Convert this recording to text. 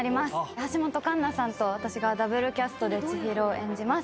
橋本環奈さんと私がダブルキャストで千尋を演じます。